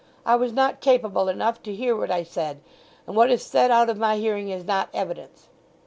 "I was not capable enough to hear what I said, and what is said out of my hearing is not evidence."